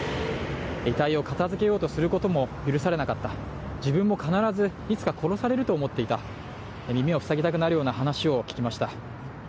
遺体を片付けようとすることも許されなかった、自分も必ずいつか殺されると思っていた、耳を塞ぎたくなるような話を聞きました。